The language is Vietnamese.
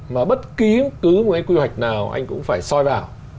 mà bất cứ cái quy hoạch nào anh cũng phải soi vào